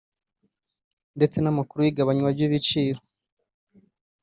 ndetse n’amakuru y’igabanywa ry’ibiciro